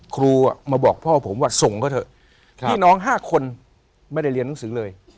ครูมาบอกพ่อผมว่าส่งเขาเถอะพี่น้อง๕คนไม่ได้เรียนหนังสือเลย